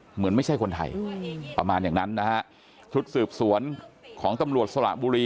เหมือนไม่ใช่คนไทยประมาณอย่างนั้นนะฮะชุดสืบสวนของตำรวจสระบุรี